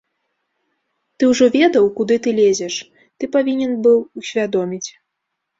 Ты ўжо ведаў, куды ты лезеш, ты павінен быў усвядоміць.